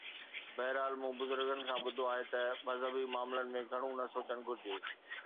بهرحال مون بزرگن کان ٻڌو آهي ته مذهبي معاملن ۾ گهڻو نه سوچڻ گهرجي